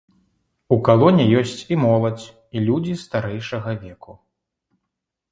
У калоне ёсць і моладзь, і людзі старэйшага веку.